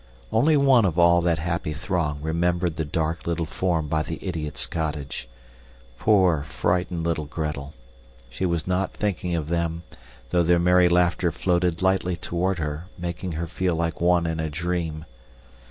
Only one of all that happy throng remembered the dark little form by the idiot's cottage. Poor, frightened little Gretel! She was not thinking of them, though their merry laughter floated lightly toward her, making her feel like one in a dream.